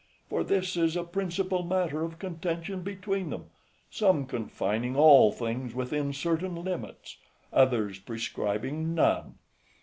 for this is a principal matter of contention between them; some confining all things within certain limits, others prescribing none.